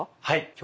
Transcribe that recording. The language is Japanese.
はい。